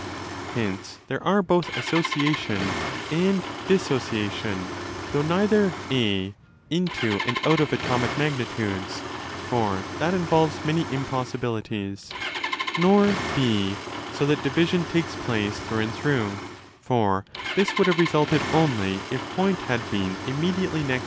Hence there are both 'association' and ' dissociation', though neither (a) into, and out of, atomic magnitudes (for that involves many impossibilities), nor (0) so that division takes place through and through—for this would have resulted only if point had been ' immediately next' to 1 i.